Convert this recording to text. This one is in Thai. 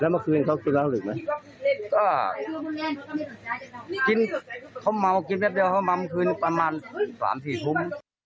แล้วเมื่อคืนเขากินแล้วหรือไหมอ่ากินเขาเม้ากินแค่เดี๋ยวเขามัมคืนประมาณสามสี่ทุ่ม